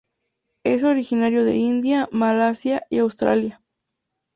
Es originario de India, Malasia y Australia.